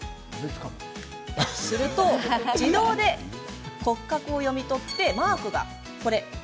すると、自動で骨格を読み取りマークが出てきます。